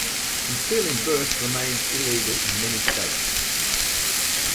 Concealing birth remains illegal in many states.